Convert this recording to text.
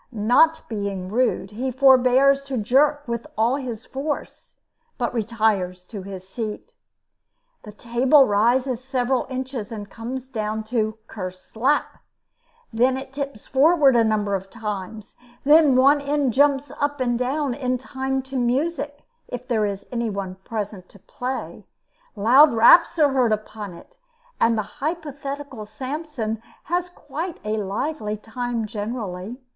Not being rude, he forbears to jerk with all his force, but retires to his seat. The table rises several inches and comes down "kerslap," then it tips forward a number of times; then one end jumps up and down in time to music, if there is any one present to play; loud raps are heard upon it, and the hypothetical Samson has quite a lively time generally.